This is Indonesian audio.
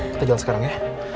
kita jalan sekarang ya